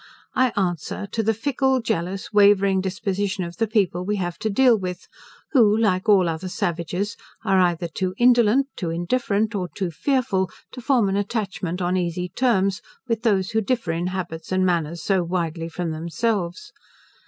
I answer, to the fickle, jealous, wavering disposition of the people we have to deal with, who, like all other savages, are either too indolent, too indifferent, or too fearful to form an attachment on easy terms, with those who differ in habits and manners so widely from themselves.